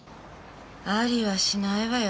ありはしないわよ